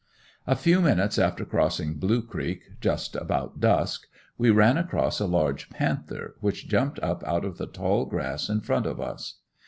A few minutes after crossing Blue creek, just about dusk, we ran across a large panther, which jumped up out of the tall grass in front of us.